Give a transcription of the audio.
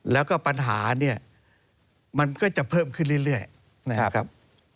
แล้วก็ปัญหาเนี่ยมันก็จะเพิ่มขึ้นเรื่อยนะครับ